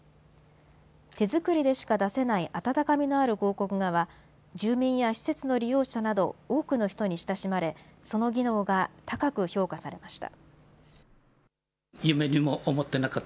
手作りでしか出せない温かみのある広告画は、住民や施設の利用者など、多くの人に親しまれ、その技能が高く評価されました。